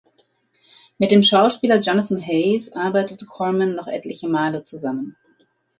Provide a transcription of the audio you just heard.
Mit dem Schauspieler Jonathan Haze arbeitete Corman noch etliche Male zusammen.